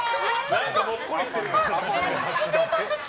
何かもっこりしてる。